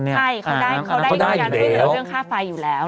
เขาได้กรุยันเวลาเรื่องค่าไฟอยู่แล้ว